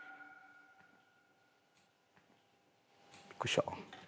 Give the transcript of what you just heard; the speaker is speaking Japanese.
びっくりした。